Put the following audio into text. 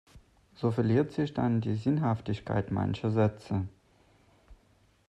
So verliert sich dann die Sinnhaftigkeit mancher Sätze.